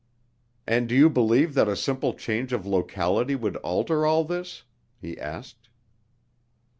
"And do you believe that a simple change of locality would alter all this?" he asked.